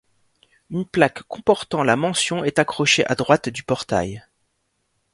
Une plaque comportant la mention est accrochée à droite du portail.